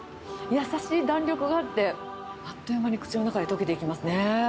優しい弾力があって、あっという間に口の中で溶けていきますね。